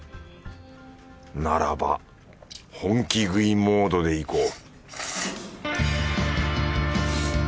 ならば本気食いモードでいこう